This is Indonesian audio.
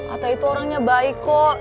atau itu orangnya baik kok